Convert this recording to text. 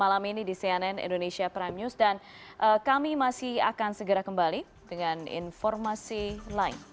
malam ini di cnn indonesia prime news dan kami masih akan segera kembali dengan informasi lain